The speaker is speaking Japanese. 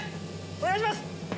お願いします！